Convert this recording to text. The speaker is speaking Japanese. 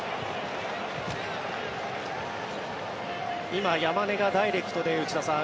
今、山根がダイレクトで内田さん